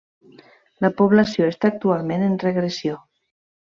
La població està actualment en regressió.